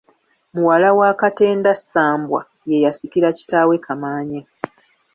Muwala wa Katenda Ssambwa, ye yasikira kitaawe Kamaanya.